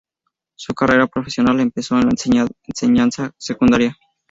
Su carrera profesional la empezó en la enseñanza secundaria.